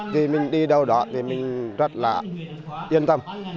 thì mình đi đâu đó thì mình rất là yên tâm